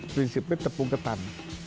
prinsipnya tepung ketan